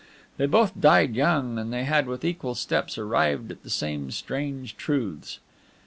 They both died young, and they had with equal steps arrived at the same strange truths.